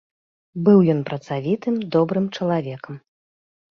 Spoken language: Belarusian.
Быў ён працавітым добрым чалавекам.